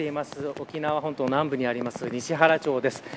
沖縄本島南部にある西原町です。